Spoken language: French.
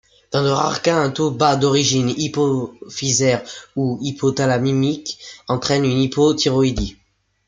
Dans de rares cas, un taux bas, d'origine hypophysaire ou hypothalamique, entraîne une hypothyroïdie.